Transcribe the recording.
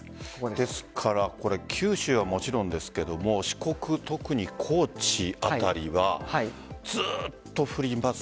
ですから九州はもちろんですけれども四国、特に高知辺りはずっと降ります